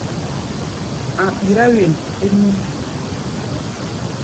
A̧ ɓirá wen é núʼm.